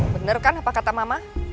bener kan apa kata mama